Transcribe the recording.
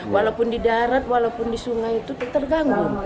walaupun di darat walaupun di sungai itu terganggu